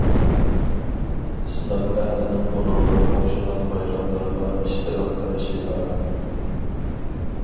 ئىسلام ئەھلىنىڭ بۇنىڭغا ئوخشىغان بايراملارغا ئىشتىراك قىلىشى ھارام.